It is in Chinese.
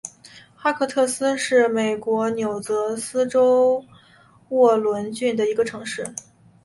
哈克特斯敦是美国纽泽西州沃伦郡的一个城市。